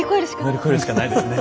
乗り越えるしかないですね。